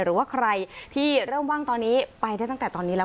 หรือว่าใครที่เริ่มว่างตอนนี้ไปได้ตั้งแต่ตอนนี้แล้ว